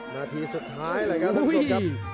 นาทีสุดท้ายเลยครับทั้งสุดครับ